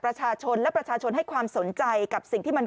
ประชาชนและประชาชนให้ความสนใจกับสิ่งที่มัน